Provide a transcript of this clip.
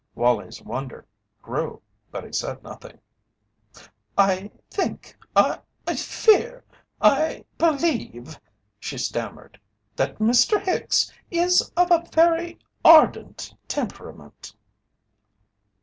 Wallie's wonder grew, but he said nothing. "I think I fear I believe," she stammered, "that Mr. Hicks is of a very ardent temperament."